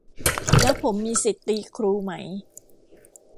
แล้วผมมีสิทธิ์ตีครูไหม